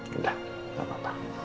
sudah tidak apa apa